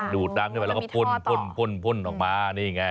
ดูดน้ำขึ้นไปแล้วก็พ่นพ่นออกมานี่ไง